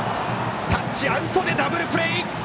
タッチアウトでダブルプレー！